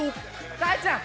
大ちゃん！